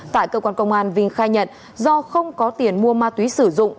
tại cơ quan công an vinh khai nhận do không có tiền mua ma túy sử dụng